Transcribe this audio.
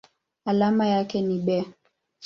Alama yake ni Be.